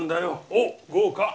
おっ豪華！